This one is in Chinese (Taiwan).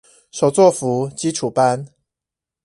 手作服基礎班